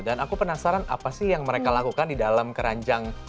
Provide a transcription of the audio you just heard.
aku penasaran apa sih yang mereka lakukan di dalam keranjang